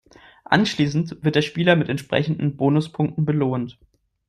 Anschließend wird der Spieler mit entsprechenden Bonuspunkten belohnt.